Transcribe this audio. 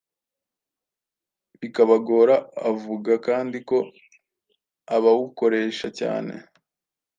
bikabagora avuga kandi ko abawukoresha cyane